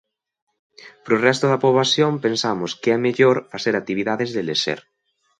Para o resto da poboación pensamos que é mellor facer actividades de lecer.